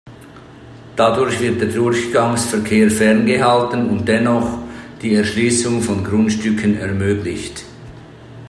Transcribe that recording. Dadurch wird der Durchgangsverkehr ferngehalten und dennoch die Erschließung von Grundstücken ermöglicht.